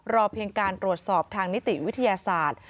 เพียงการตรวจสอบทางนิติวิทยาศาสตร์